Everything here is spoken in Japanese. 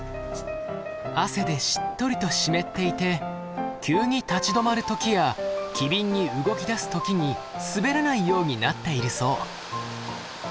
汗でしっとりと湿っていて急に立ち止まる時や機敏に動きだす時に滑らないようになっているそう。